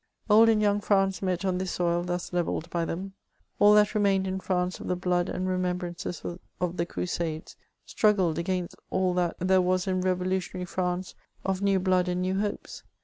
Old and young France met on this soil thus levelled by them. All that remained in France of the blood and remembrances of the crusades, struggled against all that there was in revolution ary France of new blood and new hopes.